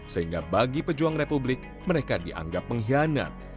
sehingga bagi pejuang republik mereka dianggap pengkhianat